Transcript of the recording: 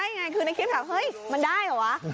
ใช่คือในคลิปถามเฮ้ยมันได้หรือเปล่าวะ